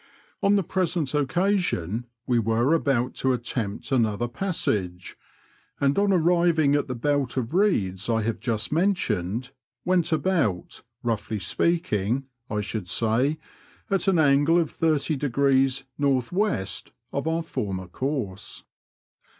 On the present occasion we were about to attempt another passage, and on arriving at the belt of reeds I have just mentioned, went about, roughly speaking, I should say, at an angle of thirty degrees north west of our former course.